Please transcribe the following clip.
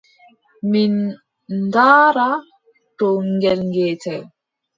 Min ndaara to ngel geetel.